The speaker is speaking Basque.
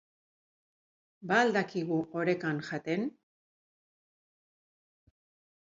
Ba al dakigu orekan jaten?